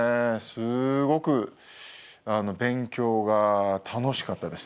すごく勉強が楽しかったです。